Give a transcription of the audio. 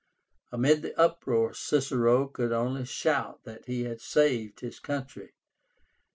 Amid the uproar Cicero could only shout that he had saved his country.